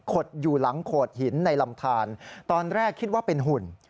อยู่หลังโขดหินในลำทานตอนแรกคิดว่าเป็นหุ่น